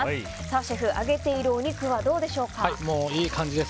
シェフ、揚げているお肉はどうでしょうか。